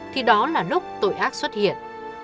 thì đó là lúc tội ác xuất hiện